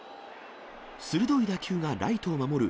鋭い打球がライトを守る